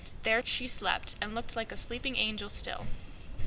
There she slept and looked like a sleeping angel still.